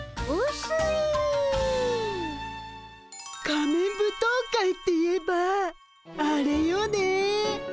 仮面舞踏会っていえばあれよね。